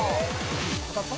当たった？